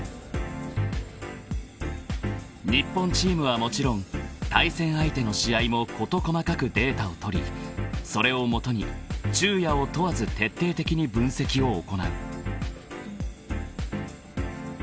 ［日本チームはもちろん対戦相手の試合も事細かくデータをとりそれを基に昼夜を問わず徹底的に分析を行う］